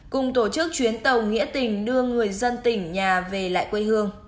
cùng tổ chức chuyến tàu nghĩa tình đưa người dân tỉnh nhà về lại quê hương